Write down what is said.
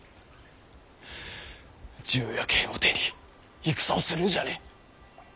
銃や剣を手に戦をするんじゃねぇ。